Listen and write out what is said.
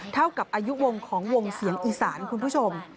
เท่ากับอายุวงของวงเสียงอีสานคุณผู้ชม